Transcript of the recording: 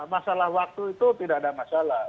masalah waktu itu tidak ada masalah